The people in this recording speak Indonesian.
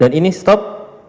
dan ini stop